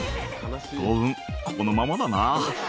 「当分このままだな」